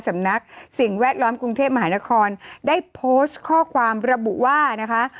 สำนักสิ่งแวดล้อมกรุงเทพมหานครได้โพสต์ข้อความระบุว่านะคะ